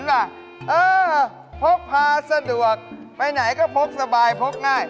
ราคาไม่แพง